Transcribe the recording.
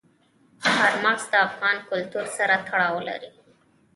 چار مغز د افغان کلتور سره تړاو لري.